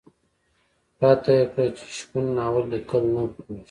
راته کړه یې چې شپون ناول ليکل نه پوهېږي.